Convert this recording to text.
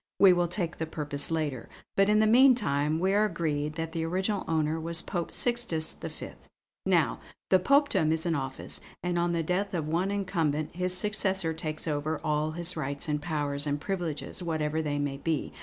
We will take the purpose later, but in the meantime we are agreed that the original owner was Pope Sixtus V. Now, the Popedom is an office, and on the death of one incumbent his successor takes over all his rights and powers and privileges whatever they may be.